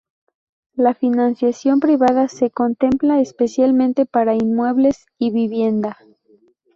La financiación privada se contempla especialmente para inmuebles y vivienda.